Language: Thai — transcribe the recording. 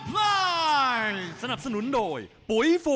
กรรมการเตือนทั้งคู่ครับ๖๖กิโลกรัม